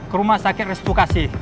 ke rumah sakit restu kasih